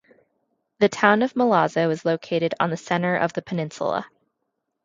The town of Milazzo is located on the centre of the peninsula.